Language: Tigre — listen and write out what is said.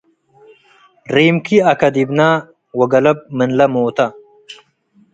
ሪምኪ አከ ዲብነ - ወገለብ ምንለ ሞታ